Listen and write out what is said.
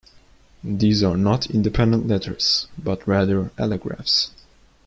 These are not independent letters, but rather allographs.